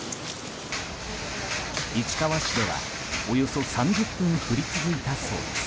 市川市では、およそ３０分降り続いたそうです。